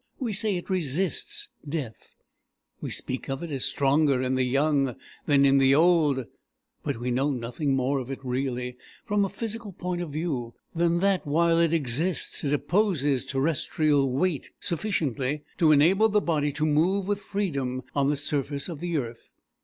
We say it resists death; we speak of it as stronger in the young than in the old; but we know nothing more of it really, from a physical point of view, than that while it exists it opposes terrestrial weight sufficiently to enable the body to move with freedom on the surface of the earth.